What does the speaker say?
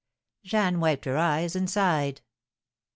Jeanne wiped her eyes and sighed.